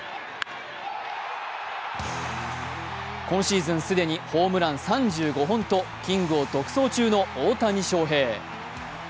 今シーズン、既にホームラン３５本とキングを独走中の大谷翔平。